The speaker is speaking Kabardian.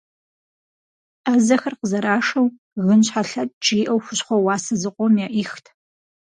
Ӏэзэхэр къызэрашэу «гынщхьэлъэкӏ» жиӏэу хущхъуэ уасэ зыкъом яӏихт.